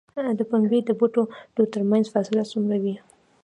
د پنبې د بوټو ترمنځ فاصله څومره وي؟